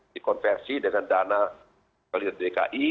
dikonversi dengan dana dki